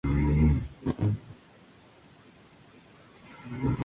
Fue víctima de mutilación de clítoris cuando tenía una semana de vida.